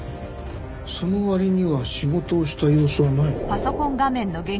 その割には仕事をした様子はないね。